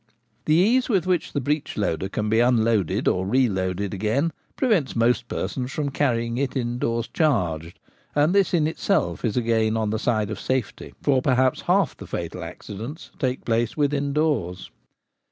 The ease with which the breechloader can be unloaded or reloaded again prevents most persons from carrying it indoors charged ; and this in itself is a gain on the side of safety, for perhaps half the fatal accidents take place within doors.